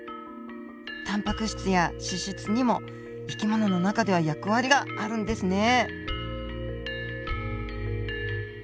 タンパク質や脂質にも生き物の中では役割があるんですね。